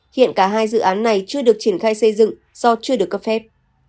hiện cả hai dự án này chưa được triển khai xây dựng do chưa được cấp phép